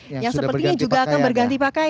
yang sepertinya juga akan berganti pakaian